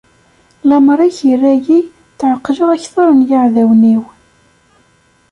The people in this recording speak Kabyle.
Lameṛ-ik irra-yi tɛeqqleɣ akter n yiɛdawen-iw.